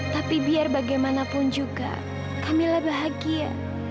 tapi biar bagaimanapun juga kamilah bahagia